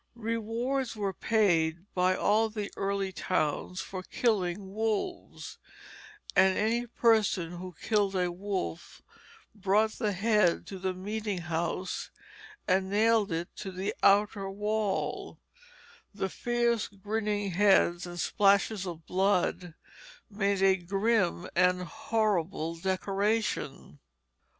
Rewards were paid by all the early towns for killing wolves; and any person who killed a wolf brought the head to the meeting house and nailed it to the outer wall; the fierce grinning heads and splashes of blood made a grim and horrible decoration.